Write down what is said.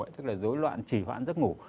tức là dối loạn chỉ hoãn giấc ngủ